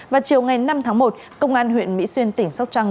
vào chiều ngày năm tháng một công an huyện mỹ xuyên tỉnh sóc trăng